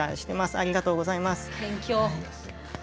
ありがとうございます。